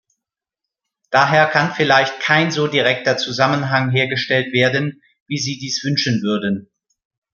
Daher kann vielleicht kein so direkter Zusammenhang hergestellt werden, wie Sie dies wünschen würden.